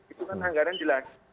itu kan anggaran jelas